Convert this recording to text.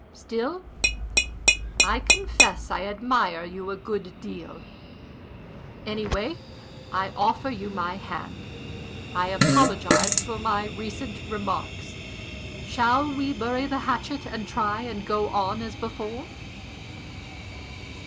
Still, I confess, I admire you a good deal. Anyway, I offer you my hand. I apologize for my recent remarks. Shall we bury the hatchet, and try and go on as before?"